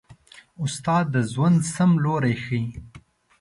استاد د ژوند سم لوری ښيي.